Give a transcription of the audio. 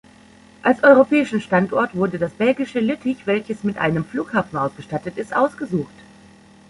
Als europäischen Standort wurde das belgische Lüttich, welches mit einem Flughafen ausgestattet ist, ausgesucht.